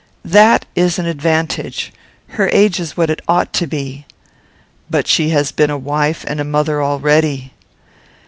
"That is an advantage. Her age is what it ought to be." "But she has been a wife and mother already."